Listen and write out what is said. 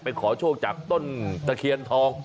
ขอโชคจากต้นตะเคียนทอง